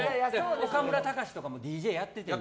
岡村隆史とかもＤＪやっててん。